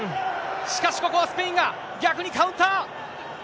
しかし、ここはスペインが逆にカウンター。